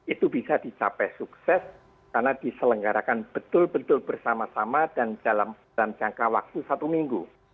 itu bisa dicapai sukses karena diselenggarakan betul betul bersama sama dan dalam jangka waktu satu minggu